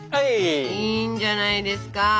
いいんじゃないですか。